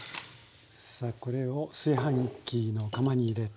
さあこれを炊飯器の釜に入れて。